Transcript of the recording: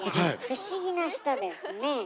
不思議な人ですねえ。